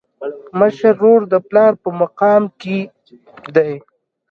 مشر ورور د پلار په مقام کي دی.